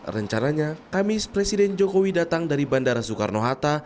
rencananya kamis presiden jokowi datang dari bandara soekarno hatta